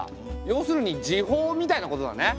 要するに時報みたいなことだね。